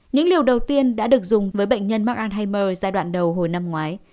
những liều đầu tiên đã được dùng với bệnh nhân mắc alzheimer giai đoạn đầu hồi năm ngoái